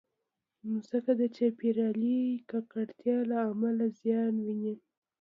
مځکه د چاپېریالي ککړتیا له امله زیان ویني.